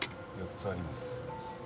４つあります。